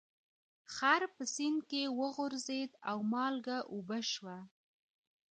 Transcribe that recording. خر په سیند کې وغورځید او مالګه اوبه شوه.